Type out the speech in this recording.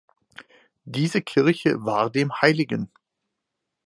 Diese Kirche war dem Hl.